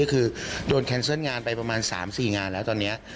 คือโดนแคนเซิลงานไปประมาณ๓๔งานแล้วตอนนี้